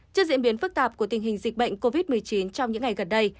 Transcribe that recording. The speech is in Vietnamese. trước diễn biến phức tạp của tình hình dịch bệnh covid một mươi chín trong những ngày gần đây